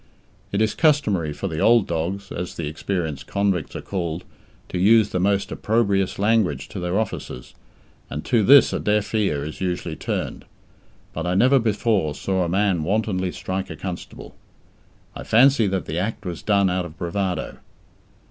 It is customary for "the old dogs", as the experienced convicts are called, to use the most opprobrious language to their officers, and to this a deaf ear is usually turned, but I never before saw a man wantonly strike a constable. I fancy that the act was done out of bravado.